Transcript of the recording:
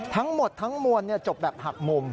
ทั้งหมดทั้งมวลจบแบบหักมุม